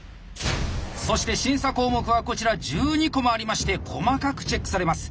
そして審査項目はこちら１２個もありまして細かくチェックされます。